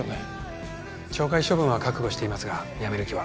懲戒処分は覚悟していますが辞める気は。